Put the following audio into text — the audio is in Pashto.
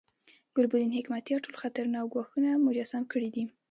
ګلبدین حکمتیار ټول خطرونه او ګواښونه مجسم کړي دي.